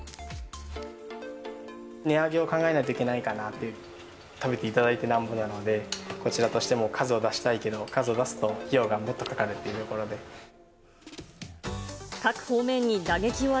値上げを考えないといけないかなという、食べていただいてなんぼなので、こちらとしても数を出したいけれども、数を出すと費用がもっとかかるっていうところ